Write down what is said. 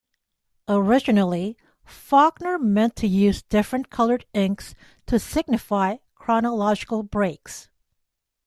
Originally Faulkner meant to use different colored inks to signify chronological breaks.